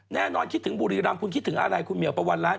แน่นอนคิดถึงบุรีรำคุณคิดถึงอะไรคุณเหมียวประวันล้าน